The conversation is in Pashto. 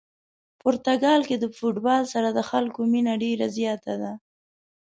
پرتګال کې د فوتبال سره د خلکو مینه ډېره زیاته ده.